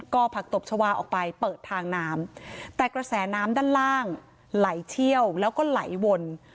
ก็ผักตบชาวาออกไปเปิดทางน้ำแต่กระแสน้ำด้านล่างไหลเชี่ยวแล้วก็ไหลวน